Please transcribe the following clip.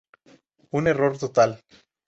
Un error total.